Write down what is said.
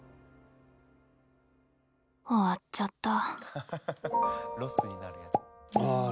終わっちゃった。